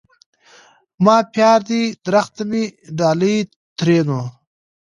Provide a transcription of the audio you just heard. ما پيار دي درخته مي ډالی؛ ترينو